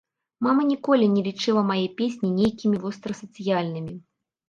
Мама ніколі не лічыла мае песні нейкімі вострасацыяльнымі.